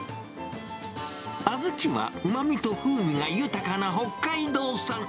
小豆はうまみと風味が豊かな北海道産。